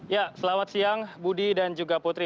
ya selamat siang budi dan juga putri